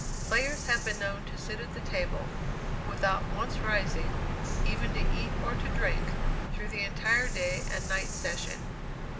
Players have been known to sit at the table, without once rising, even to eat or to drink, through the entire day and night session.